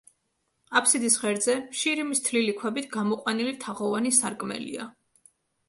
აბსიდის ღერძზე შირიმის თლილი ქვებით გამოყვანილი თაღოვანი სარკმელია.